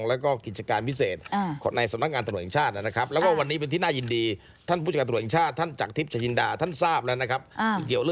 แล้วก็ไม่ได้หยุดอยู่ที่ธนายสงการ